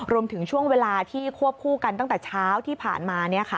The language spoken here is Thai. รวมถึงช่วงเวลาที่ควบคู่กันตั้งแต่เช้าที่ผ่านมา